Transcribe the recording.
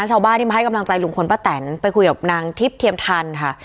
ชาวบ้านที่มาให้กำลังใจลุงพลป้าแตนไปคุยกับนางทิพย์เทียมทันค่ะ